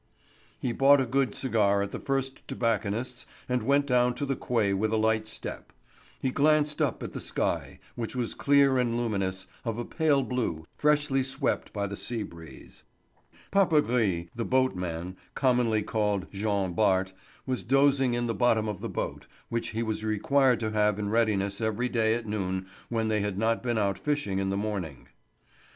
He bought a good cigar at the first tobacconist's and went down to the quay with a light step. He glanced up at the sky, which was clear and luminous, of a pale blue, freshly swept by the sea breeze. Papagris, the boatman, commonly called Jean Bart, was dozing in the bottom of the boat, which he was required to have in readiness every day at noon when they had not been out fishing in the morning.